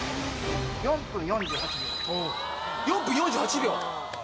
４分４８秒！？